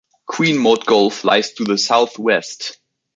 Queen Maud Gulf lies to the southwest.